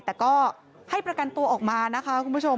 แต่ก็ให้ประกันตัวออกมานะคะคุณผู้ชม